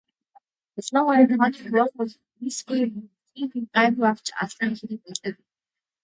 Ялангуяа тооны хуваах үйлдэлд үйлсгүй муу, бичгийн хэв гайгүй авч алдаа ихтэй байлаа.